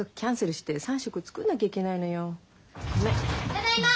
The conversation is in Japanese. ・ただいま！